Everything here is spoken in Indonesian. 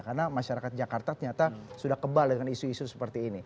karena masyarakat jakarta ternyata sudah kebal dengan isu isu seperti ini